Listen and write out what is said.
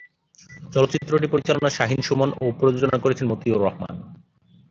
চলচ্চিত্রটি পরিচালনা শাহীন-সুমন ও প্রযোজনা করেছেন মতিউর রহমান।